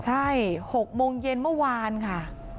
ใช่๖โมงเย็นเมื่อวานค่ะ